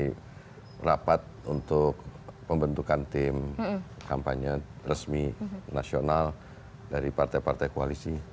kami rapat untuk pembentukan tim kampanye resmi nasional dari partai partai koalisi